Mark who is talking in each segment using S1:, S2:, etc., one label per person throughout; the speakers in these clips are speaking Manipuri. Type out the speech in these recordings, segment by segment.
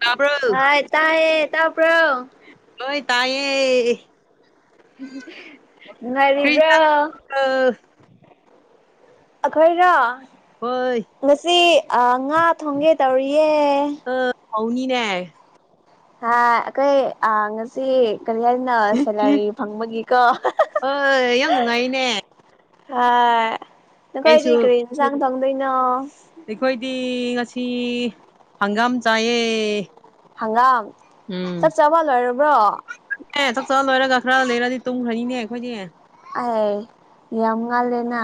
S1: ꯇꯥꯕ꯭ꯔꯣ
S2: ꯍꯥꯏ ꯇꯥꯏꯑꯌꯦ ꯇ ꯄꯨ꯭ꯔꯣ
S1: ꯅꯣꯏ ꯇꯥꯏꯌꯦ ꯀꯔꯤ
S2: ꯉꯔꯤꯕ꯭ꯔꯥ
S1: ꯏꯟꯁꯥꯡꯔꯣ
S2: ꯑꯩꯈꯣꯏꯔꯣ
S1: ꯍꯣꯏ
S2: ꯉꯁꯤ ꯉꯥ ꯊꯣꯡꯒꯦ ꯇꯧꯔꯤꯌꯦ
S1: ꯍꯧꯥꯅꯤꯅꯦ
S2: ꯍꯥ ꯑꯩꯈꯩ ꯑ ꯉꯁꯤ ꯀꯔꯤꯌꯥ ꯅ ꯁꯦꯂꯔꯤ ꯐꯪꯕꯒꯤꯀꯣ
S1: ꯍꯣꯏ ꯌꯥꯝ ꯅꯨꯡꯉꯥꯏꯅꯦ
S2: ꯍꯥ ꯅꯈꯣꯏꯗꯤ
S1: ꯑꯩꯁꯨ
S2: ꯀꯔꯤ ꯏꯟꯁꯥꯡ ꯊꯪꯗꯣꯏꯅꯣ
S1: ꯑꯩꯈꯣꯏꯗꯤ ꯉꯁꯤ ꯍꯪꯒꯥꯝ ꯆꯥꯏꯌꯦ
S2: ꯍꯪꯒꯥꯝ ꯆꯞ ꯆꯥꯕ ꯂꯣꯏꯔꯕ꯭ꯔꯣ
S1: ꯆꯛ ꯆ ꯂꯣꯏꯔꯒ ꯈꯔ ꯂꯩꯔꯗꯤ ꯇꯨꯝꯈ꯭ꯔꯅꯤꯅꯦ ꯑꯩꯈꯣꯏꯗꯤ
S2: ꯑꯩ ꯌꯥꯝ ꯉꯥꯜꯂꯦꯅ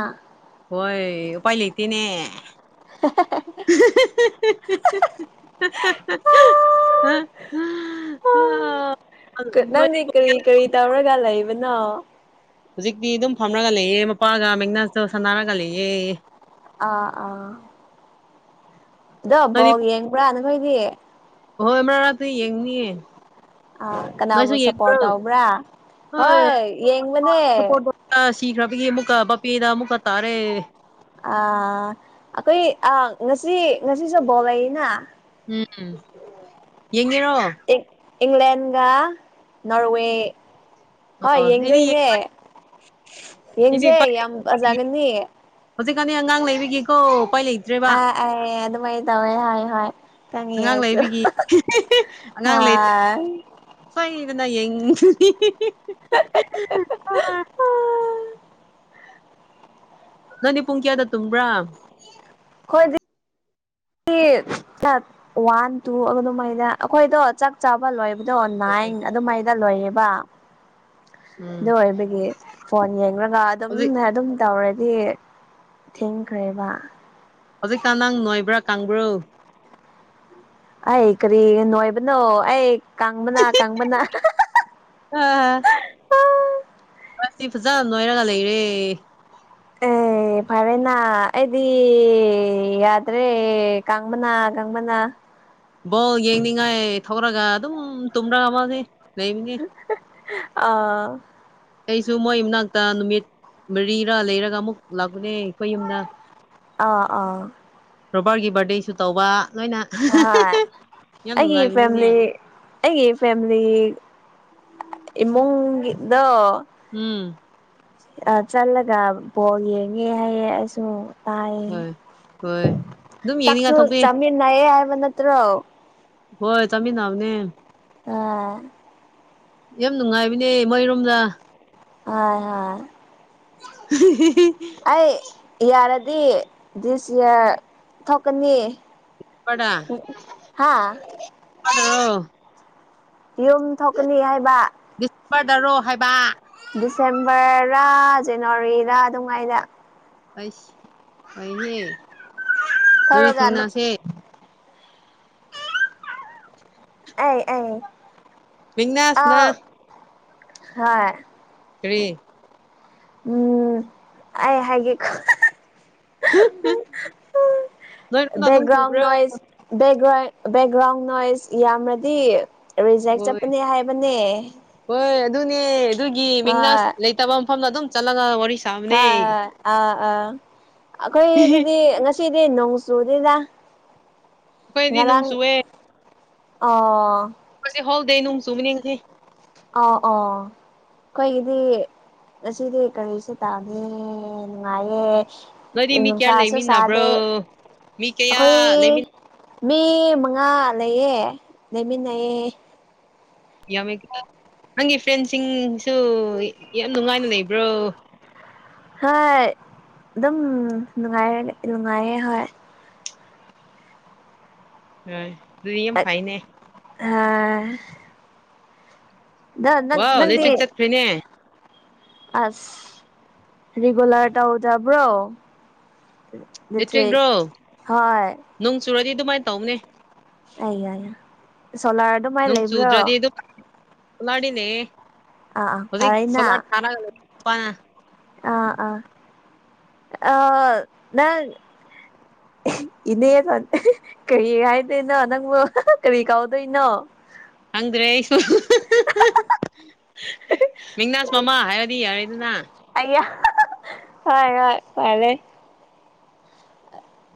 S1: ꯍꯣꯏ ꯄꯥꯏꯂꯇꯅꯦ
S2: [unintelligible] [inaudible]
S1: [inaudible] ꯑ ꯃ
S2: ꯀ
S1: [unintelligible] [inaudible]
S2: ꯀꯔꯤ ꯇ ꯑꯣꯔꯒꯜ ꯂꯩꯏꯕꯅ
S1: ꯍꯧꯖꯤꯛꯇꯤ ꯑꯗꯨꯝ ꯐꯝꯔꯒ ꯂꯩꯑꯦ ꯃꯄꯥꯒ ꯃꯅꯁꯇꯧ ꯁꯥꯟꯅꯔꯒ ꯂꯩꯑꯦ
S2: ꯑꯥ ꯑꯥ ꯑꯗꯣ
S1: ꯅꯣꯏꯗꯤ
S2: ꯕꯣꯛ ꯌꯦꯡꯕ꯭ꯔꯥ ꯅꯈꯣꯏꯗꯤ
S1: ꯍꯣꯏ ꯍꯅ ꯑꯗꯨꯨ ꯌꯦꯡꯅꯤꯌꯦ
S2: ꯑꯥ ꯀꯅꯥꯕꯨ
S1: ꯅꯣꯏꯁꯨ ꯌꯦꯡꯕ꯭ꯔꯣ
S2: ꯁꯄꯣꯔꯠ ꯇꯧꯕ꯭ꯔꯥ ꯍꯣꯏ ꯌꯦꯡꯕꯅꯦ
S1: ꯁꯤꯈ꯭ꯔꯕꯤꯒꯤ ꯑꯃꯨꯛꯥ ꯄꯄꯄꯤꯗ ꯑꯃꯨꯛꯀꯥ ꯇꯥꯔꯦ
S2: ꯑ ꯑꯩꯈꯣꯏ ꯑ ꯉꯁꯤ ꯉꯁꯤꯁꯨ ꯕꯣꯂꯏꯅ
S1: ꯎꯝ ꯌꯦꯡꯉꯦꯔꯣ
S2: ꯏ ꯏꯪꯂꯦꯟꯒ ꯅꯣꯔꯋꯦ ꯍꯣꯏ
S1: ꯑꯩꯗꯤ
S2: ꯌꯦꯡꯗꯣꯏꯅꯦ ꯌꯦꯡꯁꯦ ꯌꯥꯝ ꯐꯖꯒꯅꯤ
S1: ꯍꯧꯖꯤꯛꯀꯥꯟ ꯑꯉꯥꯡ ꯂꯩꯕꯤꯒꯦꯀꯣ ꯀꯣꯏ ꯂꯩ
S2: ꯑ ꯑ ꯑꯗꯨꯃꯥꯏꯅ ꯇꯧꯋꯦ ꯍꯥꯏ ꯍꯣꯏ ꯀꯅꯤ ꯌꯥ
S1: ꯑꯉꯥꯡ
S2: ꯆ
S1: ꯂꯩꯕꯒꯤ
S2: ꯍꯥꯥ
S1: ꯐꯩꯕꯅ ꯌꯦꯡ
S2: ꯍ
S1: ꯑ ꯅꯪꯅꯦ ꯄꯨꯡ ꯀꯌꯥꯗ ꯇꯨꯝꯕ꯭ꯔꯥ
S2: ꯍꯣꯏꯗꯤ ꯋꯥꯟ ꯇꯨ ꯑꯗꯨꯃꯥꯏꯅ ꯑꯩꯈꯣꯏꯗꯣ ꯆꯥꯛ ꯆꯥꯕ ꯂꯣꯏꯕ ꯗꯣ ꯑꯣ ꯅꯥꯏꯪ ꯑꯗꯨꯃꯥꯏꯗ ꯂꯣꯏꯌꯦꯕ
S1: ꯎꯝ
S2: ꯑꯗꯨ ꯑꯣꯏꯕꯒꯤ ꯐꯣꯟ ꯌꯦꯡꯂꯡꯒ ꯑꯗꯨꯝ
S1: ꯍꯧꯖꯤꯛ
S2: ꯑꯗꯨꯝ ꯇꯧꯔꯗꯤ ꯊꯦꯡꯈ꯭ꯔꯦꯕ
S1: ꯍꯧꯖꯤꯛ ꯀꯥꯟ ꯅꯪ ꯅꯣꯏꯕ꯭ꯔꯥ ꯀꯥꯡꯕ꯭ꯔꯣ
S2: ꯑꯩ ꯀꯔꯤ ꯅꯣꯏꯕꯅꯣ ꯑꯩ ꯀꯪꯕꯅ ꯀꯪꯕꯅ
S1: ꯑ ꯑꯁꯤ ꯐꯖꯅ ꯅꯣꯏꯔꯒ ꯂꯩꯔꯦ
S2: ꯑꯦ ꯑꯦ ꯐꯔꯦꯅꯥ ꯑꯩꯗꯤ ꯌꯥꯗ꯭ꯔꯦ ꯀꯥꯡꯪꯕꯅꯥ ꯀꯥꯡꯪꯕꯅ
S1: ꯕꯣꯜ ꯌꯦꯡꯅꯤꯡꯉꯥꯏ ꯊꯧꯔꯒ ꯑꯗꯨꯝ ꯇꯨꯝꯔꯒ ꯃꯥ ꯂꯩ ꯃꯤꯅꯦ
S2: ꯑꯥ
S1: ꯑꯩꯁꯨ ꯃꯣꯏ ꯃꯥꯅꯥꯛꯇ ꯅꯨꯃꯤꯠ ꯃꯔꯤꯔꯥ ꯂꯩꯔꯒ ꯑꯃꯨꯛ ꯂꯥꯛꯄꯅꯦ ꯑꯩꯈꯣꯏ ꯌꯨꯝꯗ
S2: ꯑꯥ ꯑꯥ
S1: ꯔꯣꯕꯥꯔꯒꯤ ꯕꯥꯔꯗꯦꯁꯨ ꯇꯧꯕ ꯂꯣꯏꯅ
S2: ꯍ
S1: ꯌꯥꯝ
S2: ꯑꯩꯒꯤ ꯐꯦꯃꯤꯂꯤ
S1: ꯅꯨꯡꯉꯥꯏꯕꯅꯤꯅꯦ
S2: ꯑꯩꯒꯤ ꯐꯦꯃꯤꯂꯤ ꯏꯃꯨꯡ ꯒꯤ ꯗꯣ
S1: ꯎꯝ
S2: ꯑ ꯆꯠꯂꯒ ꯕꯣꯜ ꯌꯦꯡꯉꯦ ꯍꯥꯏꯌꯦ ꯑꯩꯁꯨ
S1: ꯍꯣꯏ ꯍꯣꯏ
S2: ꯇ꯭ꯌꯦ
S1: ꯑꯗꯨꯝ
S2: ꯆꯥꯛꯁꯨ
S1: ꯌꯦꯡꯅꯤꯡꯉꯥꯏ ꯊꯣꯛꯄꯤ
S2: ꯆꯃꯤꯅꯥꯌꯦ ꯍꯥꯏꯕ ꯅꯠꯇ꯭ꯔꯣ
S1: ꯍꯣꯏ ꯆꯃꯤ ꯅꯅꯥꯎꯅꯦ
S2: ꯎꯝ
S1: ꯌꯥꯝ ꯅꯨꯡꯉꯥꯏꯕꯅꯦ ꯃꯣꯏꯔꯣꯝꯗ
S2: ꯍꯣꯏ ꯍꯣꯏ
S1: [unintelligible]
S2: ꯑꯩ ꯌꯥꯔꯗꯤ ꯗꯤꯁ ꯊꯣꯛꯀꯅꯤ ꯍꯥ
S1: ꯑ
S2: ꯌꯨꯝ ꯊꯣꯛꯀꯅꯤ ꯍꯥꯏꯕ
S1: ꯗꯤꯁꯦꯝꯕꯔꯗꯔꯣ ꯍꯥꯏꯕ
S2: ꯗꯤꯁꯦꯝꯕꯔꯔ ꯖꯅꯋꯥꯔꯤꯔꯥ ꯑꯗꯨꯝꯉꯥꯏꯅ
S1: ꯑꯩꯁ ꯑꯩꯍꯦ ꯅꯣꯏ
S2: ꯊꯧꯔꯒ
S1: ꯊꯦꯡꯅꯁꯦ
S2: ꯑꯦ ꯑ
S1: ꯃꯦꯛꯅꯥꯁꯅ
S2: ꯍ
S1: ꯀ꯭ꯔꯤ
S2: ꯎꯝ ꯑꯩ ꯍꯥꯏꯒꯦ
S1: ꯅꯣꯏꯔꯣꯝꯗ ꯅꯣꯡ
S2: ꯕꯛꯒ꯭ꯔꯥꯎꯟ
S1: ꯆꯨꯕ꯭ꯔꯥ
S2: ꯅꯣꯏꯁ ꯒ꯭ꯔꯥꯎ ꯕꯦꯛꯒ꯭ꯔꯥꯎꯟ ꯅꯣꯏꯁ ꯏ ꯌꯃꯗꯤ ꯔꯤꯖꯦꯛ
S1: ꯍꯣꯏ
S2: ꯆꯠꯄꯅꯦ ꯍꯥꯏꯕꯅꯦ
S1: ꯍꯣꯏ ꯑꯗꯨꯅꯦ ꯑꯗꯨꯒꯤ ꯃꯤꯅꯥ
S2: ꯍꯣꯏ
S1: ꯂꯩꯇꯕ ꯃꯐꯝꯗ ꯑꯗꯨꯝ ꯆꯠꯂꯒ ꯋꯥꯔꯤ ꯁ
S2: ꯍꯣꯏ ꯍꯣꯏ ꯑꯥ ꯑꯥ ꯑꯩꯈꯣꯏ ꯑꯗꯨꯗꯤ ꯉ ꯁꯤꯗꯤ ꯅꯣꯡ ꯆꯨꯗꯦꯗ
S1: ꯑꯩꯈꯣꯏꯗꯤ ꯅꯣꯡ
S2: ꯉꯔꯥꯡ
S1: ꯆꯨꯑꯦ
S2: ꯑꯣ
S1: ꯑꯩꯈꯣꯏꯗꯤ ꯍꯣꯜ ꯗꯦ ꯅꯣꯡ ꯆꯨꯒꯅꯤ ꯉꯁꯤ
S2: ꯑ ꯑꯣ ꯑꯩꯈꯣꯏꯒꯤꯗꯤ ꯉꯁꯤꯗꯤ ꯀꯔꯤꯁꯨ ꯇꯥꯗꯦ ꯅꯨꯡꯉꯥꯏꯌꯦ
S1: ꯅꯣꯏꯗꯤ ꯃꯤ ꯀꯌꯥ
S2: ꯅꯨꯡꯁꯥꯁꯨ ꯁꯥꯗꯦ
S1: ꯂꯩꯃꯤꯟꯅꯕ꯭ꯔꯣ ꯃꯤ
S2: ꯑꯩꯈꯣꯏ
S1: ꯀꯌꯥ ꯂꯩꯃꯤꯟ
S2: ꯃꯤ ꯃꯉꯥ ꯂꯩꯌꯦ ꯂꯩꯃꯤꯟꯅꯩꯌꯦ
S1: ꯌꯥꯝꯃꯦ ꯀꯣ ꯅꯪꯒꯤ ꯐ꯭ꯔꯦꯟꯁꯤꯡꯁꯨ ꯌꯥꯝ ꯅꯨꯡꯉꯥꯏꯅ ꯂꯩꯕ꯭ꯔꯣ
S2: ꯍꯣꯏ ꯑꯗꯨꯝ ꯅꯨꯡꯉꯥꯏꯔ ꯅꯨꯡꯉꯥꯏꯌꯦ ꯍꯣꯏ
S1: ꯍꯣꯏ ꯑꯗꯨꯗꯤ ꯌꯥꯝ ꯐꯥꯏꯅꯦ
S2: ꯑꯥ
S1: ꯋꯥ
S2: ꯅꯪꯗꯤ
S1: ꯂꯦꯇ꯭ꯔꯤꯛ ꯆꯠꯈ꯭ꯔꯔꯤꯅꯦ
S2: ꯑꯁ ꯔꯔꯤꯒꯂꯔ ꯇꯧꯗꯕ꯭ꯔꯣ ꯏꯂꯦꯛꯇ꯭ꯔꯤꯛ
S1: ꯂꯤꯇ꯭ꯔꯤꯒ꯭ꯔꯣ
S2: ꯍꯣꯏ
S1: ꯅꯣꯡ ꯆꯨꯔꯗꯤ ꯑꯗꯨꯃꯥꯏꯅ ꯇꯧꯕꯅꯦ
S2: ꯑ ꯌꯥꯏ ꯁꯣꯂꯥꯔ ꯑꯗꯨꯃꯥꯏ ꯂꯩꯕ꯭ꯔꯣ
S1: ꯁꯣꯂꯥꯅꯦ
S2: ꯑꯥ ꯑꯥ
S1: ꯍꯧꯖꯤꯛ
S2: ꯐꯔꯦꯅ
S1: ꯁꯣꯂꯥ ꯊꯔꯒ
S2: ꯑ ꯑꯥ ꯑ ꯅꯪ ꯏꯅꯦ ꯀꯔꯤ ꯍꯥꯏꯗꯣꯏꯅꯣ ꯅꯪꯕꯨ ꯀꯔꯤ ꯀꯥꯎꯗꯣꯏꯅꯣ
S1: ꯈꯪꯗ꯭ꯔꯦ ꯑꯩꯁꯨ ꯃꯤꯡꯅꯥꯁ ꯃꯃꯥ ꯍꯥꯏꯔꯗꯤ ꯌꯥꯔꯦꯗꯅ
S2: ꯑꯌꯥ ꯍꯣꯏ ꯍꯣꯏ ꯐꯔꯦ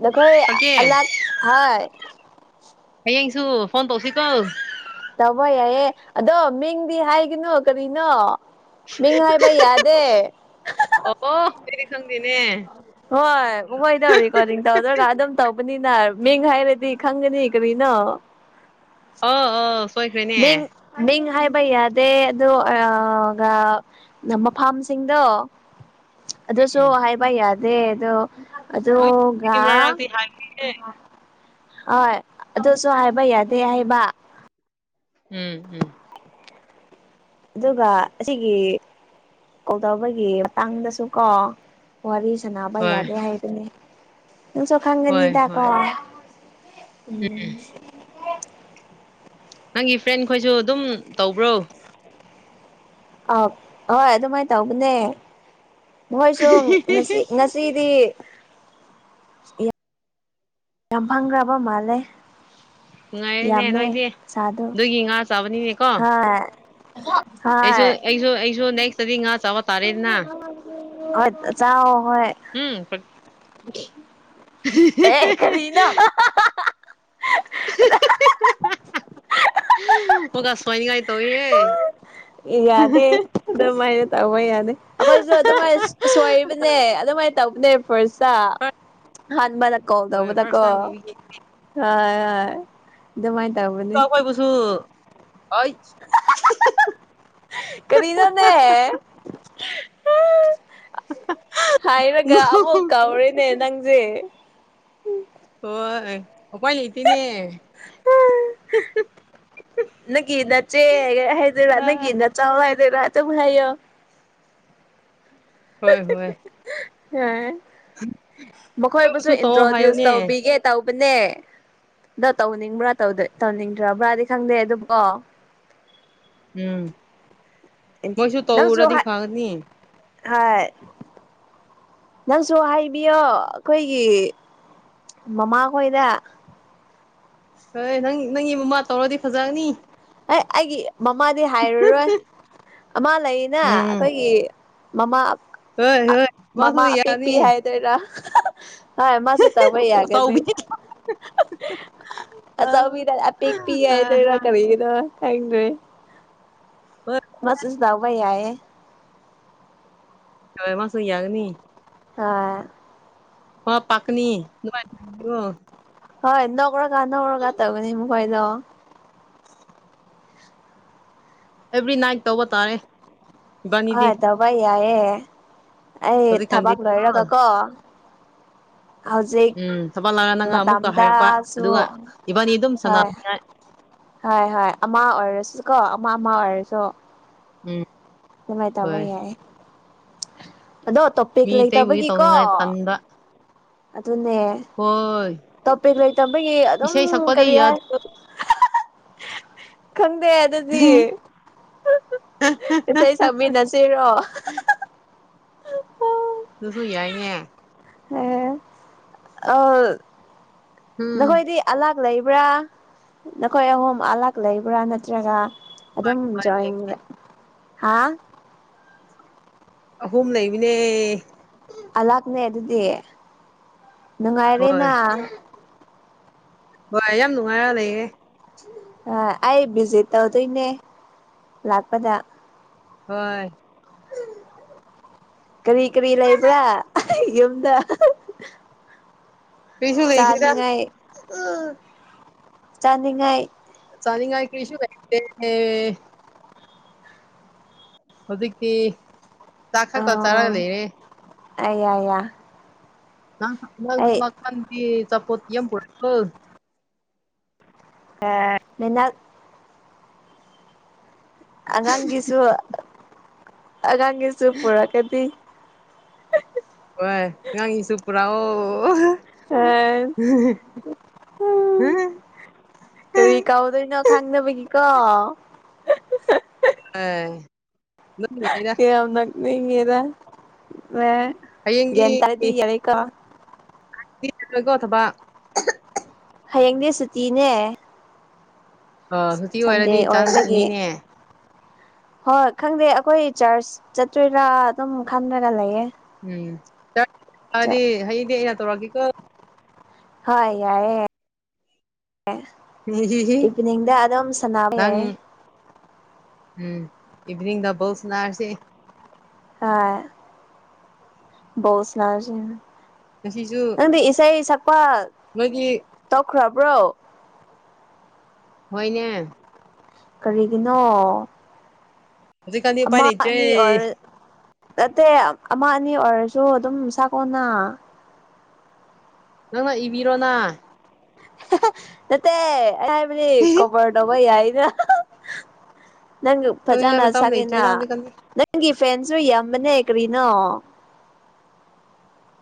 S2: ꯅꯈꯣꯏ
S1: ꯑꯣꯀꯦ
S2: ꯑꯥꯛ ꯍꯣꯏ
S1: ꯍꯌꯦꯡꯁꯨ ꯐꯣꯟ ꯇꯧꯁꯤꯀꯣ
S2: ꯇꯧꯕ ꯌꯥꯏꯌꯦ ꯑꯗꯣ ꯃꯤꯡꯗꯤ ꯍꯥꯏꯒꯅꯨ ꯀꯔꯤꯅꯣ ꯃꯤꯉ ꯍꯥꯏꯕ ꯌꯥꯗꯦ
S1: ꯑꯣ ꯑꯩꯗꯤ ꯈꯪꯗꯦꯅꯦ
S2: ꯍꯣꯏ ꯍꯣꯏꯗ ꯔꯦꯀꯣꯗꯤꯡ ꯇꯧꯗ꯭ꯔꯒ ꯑꯗꯨꯝ ꯇꯧꯕꯅꯤꯅ ꯃꯤꯡ ꯍꯥꯏꯔꯗꯤ ꯈꯪꯒꯅꯤ ꯀꯔꯤꯅꯣ
S1: ꯑꯣ ꯑꯣ ꯁꯣꯏꯈ꯭ꯔꯦꯅꯦ
S2: ꯃꯤꯡ ꯃꯤꯡ ꯍꯥꯏꯕ ꯌꯥꯗꯦ ꯑꯗꯨꯑꯒ ꯃꯐꯝꯁꯤꯡꯗꯣ ꯑꯗꯨꯁꯨ
S1: ꯎꯝ
S2: ꯍꯥꯏꯕ ꯌꯥꯗꯦ ꯑꯗꯣ
S1: ꯍꯣꯏ
S2: ꯑꯗꯣꯒ
S1: ꯃꯔꯛꯇꯤ ꯍꯥꯏꯈ꯭ꯔꯦꯅꯦ
S2: ꯍꯣꯏ ꯑꯗꯨꯁꯨ ꯍꯥꯏꯕ ꯌꯥꯗꯦ ꯍꯥꯏꯕ
S1: ꯎꯝ ꯎꯝ
S2: ꯑꯗꯨꯒ ꯑꯁꯤꯒꯤ ꯀꯣꯜ ꯇꯧꯕꯒꯤ ꯃꯇꯥꯡꯗꯁꯨ ꯀꯣ ꯋꯥꯔꯤ ꯁꯅꯕ
S1: ꯍꯣꯏ
S2: ꯌꯥꯗꯦ ꯍꯥꯏꯗꯨꯅꯦ ꯅꯪ ꯆ ꯈꯪꯒꯅꯤꯗꯀꯣ
S1: ꯎꯝ ꯅꯪꯒꯤ ꯐ꯭ꯔꯦꯟ ꯈꯣꯏꯁꯨ ꯑꯗꯨꯝ ꯇꯧꯕ꯭ꯔꯣ
S2: ꯑ ꯍꯣꯏ ꯑꯗꯨꯃꯥꯏꯅ ꯇꯧꯕꯅꯦ ꯃꯣꯏ ꯉꯁꯤ ꯉꯁꯤꯗꯤ ꯌꯥꯝ ꯐꯪꯈ꯭ꯔꯕ ꯃꯥꯜꯂꯦ
S1: ꯅꯨꯡꯉꯥꯏꯔꯦꯅꯦ
S2: ꯌꯥꯃꯦ
S1: ꯅꯣꯏꯗꯤ
S2: ꯁꯥꯗꯨ
S1: ꯑꯗꯨꯒꯤ ꯉꯥ ꯆꯥꯕꯅꯤꯅꯦꯀꯣ
S2: ꯍꯥꯥ
S1: ꯑꯩꯁꯨ ꯑꯩꯁꯨ ꯑꯩꯁꯨ ꯅꯦꯛꯁ ꯇꯗꯤ ꯉꯥꯆ
S2: ꯑꯆꯥꯎ ꯍꯣꯏ
S1: ꯎꯝ
S2: ꯑꯦ ꯀꯔꯤꯅꯥ
S1: ꯁꯋꯥꯏꯅꯤꯡꯉꯥꯏ ꯇꯧꯏꯌꯦ
S2: ꯌꯥꯗꯦ ꯑꯗꯨꯃꯥꯏꯅ ꯇꯧꯕ ꯌꯥꯅꯤ ꯑꯩꯈꯣꯏꯁꯨ ꯑꯗꯨꯃꯥꯏꯅ ꯁꯣꯏꯕꯅꯦ ꯑꯗꯨꯃꯥꯏ ꯇꯧꯗꯦ ꯐ꯭ꯔꯁꯇꯥ ꯍꯥꯟꯕꯗ ꯀꯣꯜ
S1: ꯍꯣꯏ
S2: ꯇꯧꯕꯗ
S1: ꯐꯥꯔꯁ
S2: ꯀꯣ
S1: ꯇꯥꯏꯝ ꯑꯣꯏꯕꯒꯤ
S2: ꯍ ꯑꯗꯨꯃꯥꯏ ꯇꯧꯕ
S1: ꯇ ꯀꯣꯏ ꯄꯁꯨ ꯑꯩ
S2: ꯀꯔꯤꯅꯣꯅꯦ ꯍꯥꯏꯔꯒ ꯑꯃꯨꯛ ꯀꯧꯔꯦꯅꯦ ꯅꯪꯁꯦ
S1: ꯍꯣꯏ ꯑꯣꯄꯥꯏ ꯂꯩꯇꯦꯅꯦ
S2: ꯅꯪꯒꯤ ꯅꯆꯦ ꯍꯥꯏ
S1: ꯑ
S2: ꯅꯪꯒꯤ ꯅ ꯆꯥꯎ ꯑꯏꯗꯦꯗ ꯑꯗꯨꯃꯥꯏ ꯂꯩꯌꯣ
S1: ꯍꯣꯏ ꯍꯣꯏ
S2: ꯃꯈꯣꯏꯕꯨꯁꯨ
S1: ꯅꯣꯏꯕꯨꯁꯨ ꯇꯧꯑꯣ
S2: ꯏꯟꯇ꯭ꯔꯣꯗ꯭ꯌꯨꯁ
S1: ꯍꯥꯏꯌꯣꯅꯦ
S2: ꯇꯧꯕꯤꯒꯦ ꯇꯧꯕꯅꯦ ꯑꯗꯣ ꯇꯧꯅꯤꯡꯕ꯭ꯔꯥ ꯇꯧꯅꯤꯡꯗ꯭ꯔꯕ꯭ꯔꯗꯤ ꯈꯪꯗꯦ ꯑꯗꯨꯕꯨꯀꯣ
S1: ꯎꯝ ꯃꯣꯏꯁꯨ
S2: ꯅꯪꯁꯨ
S1: ꯇꯧꯔꯗꯤ
S2: ꯍꯥꯏ
S1: ꯐꯒꯅꯤ
S2: ꯍꯣꯏ ꯅꯪꯁꯨ ꯍꯥꯏꯕꯤꯌꯣ ꯑꯩꯈꯣꯏꯒꯤ ꯃꯃꯥꯈꯣꯏꯗ
S1: ꯍꯣꯏ ꯅꯪ ꯅꯪꯒꯤ ꯃꯃꯥ ꯇꯧꯔꯗꯤ ꯐꯖꯅꯤ
S2: ꯑꯦ ꯑꯩꯒꯤ ꯃꯃꯥꯗꯤ ꯍꯥꯏꯔꯨꯔꯣꯏ ꯑꯃꯥ ꯂꯩꯌꯦꯅ
S1: ꯎꯝ
S2: ꯑꯩꯈꯣꯏꯒꯤ ꯃꯃꯥ
S1: ꯍꯣꯏ ꯍꯣꯏ ꯃꯁꯨ ꯌꯥꯅꯤ
S2: ꯇꯦꯗ ꯃꯥꯁꯨ ꯇꯧꯕ
S1: ꯑꯆꯧꯕꯤ
S2: ꯌꯥꯒꯅꯤ ꯑꯆꯥꯎꯕꯤꯗ ꯑꯄꯤꯛꯄꯤ ꯍꯥꯏꯗꯣꯏꯔꯥ ꯀꯔꯤꯒꯤꯅꯣ ꯈꯪꯗ꯭ꯔꯦ
S1: ꯍ
S2: ꯃꯁꯨ ꯆꯥꯎꯕ ꯌꯥꯌꯦ
S1: ꯊꯣꯏ ꯃꯥ ꯁꯨꯌꯥꯒꯅꯤ
S2: ꯑ
S1: ꯋꯥ ꯄꯥꯛꯅꯤ ꯅꯨꯡꯉꯥꯏ ꯑꯣ
S2: ꯍ ꯅꯧꯔꯒꯥꯟ ꯅꯔꯒ ꯇꯒꯅꯤ ꯃꯨ ꯀꯥꯏꯗ
S1: ꯑꯦꯕ꯭ꯔꯤ ꯅꯥꯏꯠ ꯇꯧꯕ ꯇꯥꯔꯦ ꯏꯕꯥꯅꯤꯗꯤ
S2: ꯍꯣꯏ ꯇꯧꯕ ꯌꯥꯏꯑꯦ ꯑꯩ
S1: ꯍꯧꯖꯤꯛꯀꯥꯟꯗꯤ
S2: ꯊꯕꯛ ꯂꯣꯏꯔꯒ ꯀꯣ [unintelligible] ꯍꯧꯖꯤꯛ
S1: ꯎꯝ ꯊꯕꯛ ꯂꯥꯛꯑ ꯅꯪ ꯑꯃꯨꯛꯀ ꯍꯥꯏꯔꯛꯄ
S2: ꯃꯇꯝꯗꯁꯨ
S1: ꯑꯗꯨꯒ ꯏꯕꯥꯅꯤ ꯑꯗꯨꯝ
S2: ꯍꯣꯏ
S1: ꯁꯥꯟꯅꯅꯤꯡꯉꯥꯏ
S2: ꯍꯣꯏ ꯍꯣꯏ ꯑꯃ ꯑꯣꯏꯔꯁꯨ ꯀꯣ ꯑꯃ ꯑꯃ ꯑꯣꯏꯔꯁꯨ
S1: ꯎꯝ
S2: ꯑꯗꯨꯃꯥꯏ ꯇꯧꯕ
S1: ꯍꯣꯏ
S2: ꯌꯥꯏ ꯑꯗꯣ ꯄꯦꯛ
S1: ꯃꯤ ꯑꯇꯩꯕꯨꯗꯤ
S2: ꯂꯩꯇꯕꯒꯤꯀꯣ
S1: ꯇꯧꯅꯤꯡꯉꯥꯏ ꯇꯟꯕ
S2: ꯑꯗꯨꯅꯦ
S1: ꯍꯣꯏ
S2: ꯇꯣꯄꯤꯛ ꯂꯩꯇꯕꯒꯤ ꯑꯗꯨꯝ
S1: ꯏꯁꯩ ꯁꯛꯄꯗꯤ
S2: ꯀꯔꯤ ꯍꯥꯏ
S1: ꯌꯥꯗꯦ
S2: ꯈꯪꯗꯦ ꯑꯗꯨꯗꯤ ꯏꯁꯩ ꯁꯛꯃꯤꯟꯅꯁꯤꯔꯣ
S1: ꯑꯗꯨꯁꯨꯨ ꯌꯥꯏꯅꯦ
S2: ꯍꯝ ꯑ
S1: ꯎꯝ
S2: ꯅꯈꯣꯏꯗꯤ ꯑꯂꯥꯛ ꯂꯩꯕ꯭ꯔꯥ ꯅꯈꯣꯏ ꯑꯍꯨꯝ ꯑꯂꯥꯛ ꯂꯩꯕ꯭ꯔꯥ ꯅꯠꯇ꯭ꯔꯒ ꯑꯗꯨ
S1: ꯍꯣꯏ ꯍꯣꯏ
S2: ꯑꯗꯨꯝ꯭ꯔꯣꯌ ꯑ
S1: ꯑꯍꯨꯝ ꯂꯩꯃꯤꯅꯦ
S2: ꯑꯍꯥꯛꯅꯦ ꯑꯗꯨꯗꯤ
S1: ꯍꯣꯏ
S2: ꯅꯨꯡꯉꯥꯏꯔꯦꯅ
S1: ꯍꯣꯏ ꯌꯥꯝ ꯅꯨꯡꯉꯥꯏꯔ ꯂꯩꯌꯦꯦ
S2: ꯑ ꯑꯩ ꯚꯤꯖꯤꯠ ꯇꯧꯗꯣꯏꯅꯦ ꯂꯥꯛꯄꯗ
S1: ꯍꯣꯏ
S2: ꯀꯔꯤ ꯀꯔꯤ ꯂꯩꯕ꯭ꯔꯥ ꯌꯨꯝꯗ
S1: ꯀꯔꯤꯁꯨ ꯂꯩꯇꯦꯗ
S2: ꯆꯥꯅꯤꯡꯉꯥꯏ ꯆꯥꯅꯤꯡꯉꯥꯏ
S1: ꯆꯅꯤ ꯉꯥꯏ ꯀꯁꯨ ꯍꯥꯏꯦ ꯍꯧꯖꯤꯛꯇꯤ ꯆꯥꯛ ꯈꯛꯇ ꯆꯥꯔꯒ ꯂꯩꯔꯦ
S2: ꯑ ꯑ
S1: ꯥꯡꯥꯡ ꯆꯄꯅꯤ ꯆꯄꯣꯠꯇꯤ ꯌꯦ ꯄꯨꯔ
S2: ꯑ ꯑꯉꯥꯡꯒꯤꯁꯨ ꯑꯉꯥꯡꯒꯤꯁꯨ ꯄꯨꯔꯛꯒꯗꯤ
S1: ꯍꯣꯏ ꯉꯉꯥꯡꯒꯤꯁꯨ ꯄꯨ꯭ꯔꯥ ꯑꯣ
S2: ꯍꯝ ꯀꯔꯤ ꯀꯥꯎꯗꯣꯏꯅꯣ ꯈꯥꯡꯅꯕꯒꯤꯀꯣ
S1: ꯑ
S2: ꯀꯌꯥꯝ ꯅꯒꯦꯔ ꯃ
S1: ꯍꯌꯦꯡꯒꯤꯂꯣꯏꯀꯣ ꯊꯕꯛ
S2: ꯍꯌꯦꯡꯅꯦ ꯁꯨꯇꯤꯅꯦ
S1: ꯑ ꯁꯨꯇꯤ ꯑꯣꯏꯔꯗꯤ
S2: ꯁꯟꯗꯦ ꯑꯣꯏꯕꯒꯤ
S1: ꯆꯥꯟꯅꯤꯅꯦ
S2: ꯍꯣꯏ ꯈꯪꯗꯦ ꯑꯩꯈꯣꯏ ꯆꯥꯔꯆ ꯆꯠꯇꯣꯏꯔꯥ ꯑꯗꯨꯝ ꯈꯟꯗꯒ ꯂꯩꯌꯦ
S1: ꯎꯝ ꯆꯠꯗꯤ ꯍꯌꯦꯡꯗꯤ ꯑꯩꯅ ꯇꯧꯔꯛꯒꯦꯀꯣ
S2: ꯍꯣꯏ ꯌꯥꯏꯌꯦ ꯏꯗ ꯑꯝ ꯁꯦ
S1: ꯅꯪ ꯎꯝ ꯏꯚꯅꯤꯡꯗꯕꯧ ꯁꯅꯥꯔꯁꯤꯦ
S2: ꯑ ꯣ ꯁꯅꯥꯁꯤ
S1: ꯉꯁꯤꯁꯨ
S2: ꯅꯪꯗꯤ ꯏꯁꯩ ꯁꯛꯄ
S1: ꯃꯥꯒꯤ
S2: ꯇꯈ꯭ꯔꯥꯕ꯭ꯔꯣ
S1: ꯍꯣꯏꯅꯦ
S2: ꯀꯔꯤꯒꯤꯅꯣ
S1: ꯍꯧꯖꯤꯛꯀꯥꯟꯗꯤ ꯎꯄꯥꯏ
S2: ꯑꯃ
S1: ꯂꯩꯇ꯭ꯔꯦ
S2: ꯑꯅꯤ ꯑꯣꯔ ꯅꯠꯇꯦ ꯑꯃ ꯑꯅꯤ ꯑꯣꯏꯔꯁꯨ ꯑꯗꯨꯝ ꯁꯥꯀꯣꯟꯅ
S1: ꯅꯪꯅ ꯏꯕꯤꯔꯣꯅ
S2: ꯅꯦ ꯑꯦꯕꯨ ꯀꯕꯔ ꯅꯕ ꯌꯥꯏꯅ ꯅꯪ
S1: ꯇꯧꯅꯤꯡꯉꯥꯏ
S2: ꯐꯖꯅ
S1: ꯃꯇꯝ
S2: ꯁꯒꯦꯅ
S1: ꯂꯩꯇ꯭ꯔꯦꯗ ꯍꯧꯖꯤꯛꯀꯥꯟꯗꯤ
S2: ꯅꯪꯒꯤ ꯐꯦꯟꯁꯨ ꯌꯥꯝꯕꯅꯦ ꯀꯔꯤꯅꯣ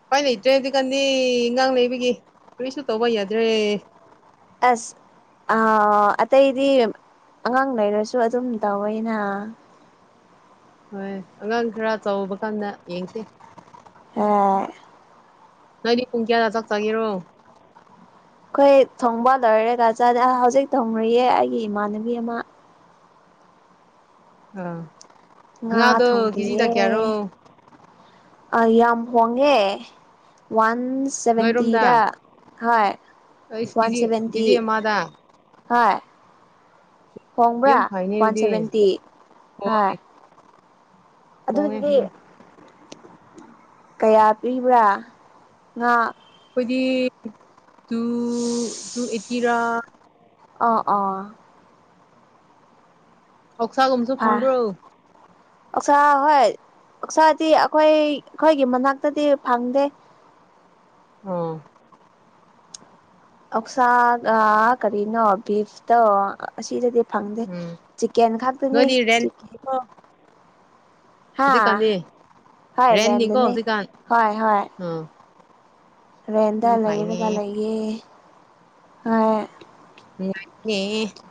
S1: ꯀꯥꯏ ꯂꯩꯇ꯭ꯔꯦ ꯑꯗꯨ ꯀꯅꯤ ꯉꯥꯡ ꯂꯩꯕꯒꯤ ꯀꯔꯤꯁꯨ ꯇꯧꯕ ꯌꯥꯗ꯭ꯔꯦ
S2: ꯑꯁ ꯑꯇꯩ ꯏꯗꯤ ꯑꯉꯥꯡ ꯂꯩꯔꯁꯨ ꯑꯗꯨꯝ ꯇꯧꯋꯩꯅ
S1: ꯍꯣꯏ ꯑꯉꯥꯡ ꯈꯔ ꯆꯥꯎꯕ ꯀꯥꯟꯗ ꯌꯦꯡꯁꯦ
S2: ꯑ
S1: ꯅꯣꯏꯗꯤ ꯄꯨꯡ ꯀꯌꯥꯗ ꯆꯠꯆꯒꯦꯔꯣ
S2: ꯑꯩꯈꯣꯏ ꯊꯣꯡꯕ ꯂꯣꯏꯔꯦꯒ ꯆ ꯍꯧꯖꯤꯛ ꯊꯣꯡꯅꯨꯌꯦ ꯑꯩꯒꯤ ꯏꯃꯥꯟꯅꯕꯤ ꯑꯃ
S1: ꯑꯥ ꯉ
S2: ꯉꯥ
S1: ꯉꯥꯗꯣ ꯀꯦꯖꯤꯗ
S2: ꯊꯣꯡꯔꯤꯌꯦ
S1: ꯀꯌꯥꯔꯣ
S2: ꯌꯥꯝ ꯍꯣꯡꯉꯦ ꯋꯥꯟ
S1: ꯅꯣꯏꯔꯣꯝꯗ
S2: ꯁꯚꯦꯟꯇꯤꯗ ꯍꯣꯏ
S1: ꯑꯩꯁ
S2: ꯋꯥꯟ
S1: ꯀꯦꯖꯤ
S2: ꯁꯚꯦꯟꯇꯤ
S1: ꯀꯦꯖꯤ ꯑꯃꯗ
S2: ꯍꯣꯏ ꯍꯣꯡꯕ꯭ꯔꯥ
S1: ꯌꯥꯝ ꯐꯩꯅꯦ
S2: ꯋꯥꯟ
S1: ꯑꯗꯨꯗꯤ
S2: ꯁꯚꯦꯟꯇꯤ
S1: ꯍꯣꯏ
S2: ꯍꯥ
S1: ꯍꯣꯡꯉꯦ
S2: ꯑꯗꯨꯗꯤ
S1: ꯎꯝ
S2: ꯀꯌꯥ ꯄꯤꯕ꯭ꯔꯥ ꯉꯥ
S1: ꯑꯩꯈꯣꯏꯗꯤ ꯇꯨ ꯇꯨ ꯑꯩꯠꯇꯤꯔꯥ
S2: ꯑꯥ ꯑꯣꯥ
S1: ꯀꯧꯁꯥꯒꯨꯝꯁꯨ ꯐꯪꯕ꯭ꯔꯣ
S2: ꯑꯛꯆꯥꯥ ꯍꯣꯏ ꯑꯛꯆꯥꯥꯗꯤ ꯑꯩꯈꯣꯏ ꯑꯩꯈꯣꯏꯒꯤ ꯃꯅꯥꯛꯇꯗꯤ ꯐꯪꯗꯦ
S1: ꯑꯣ
S2: ꯑꯣꯛꯁꯥꯒ ꯀꯔꯤꯅꯣ ꯕꯤꯐꯇ ꯑꯁꯤꯗꯗꯤ ꯐꯪꯗꯦ
S1: ꯎꯝ
S2: ꯆꯤꯀꯦꯟ ꯈꯛꯇꯅꯤ
S1: ꯑ
S2: ꯍꯥ
S1: ꯍꯧꯖꯤꯛꯀꯥꯟꯅꯤ
S2: ꯍꯣꯏ
S1: ꯔꯦꯟꯅꯤꯀꯣ
S2: ꯔꯦꯟꯗꯅꯤ
S1: ꯍꯧꯖꯤꯛꯀꯥꯟ
S2: ꯍꯣꯏ ꯍꯣꯏ
S1: ꯑꯥ
S2: ꯔꯦꯟꯗ
S1: ꯌꯥꯝ ꯐꯩꯅꯦ
S2: ꯂꯩꯔꯒ ꯂꯩꯌꯦ ꯍꯥꯏ
S1: [unintelligible]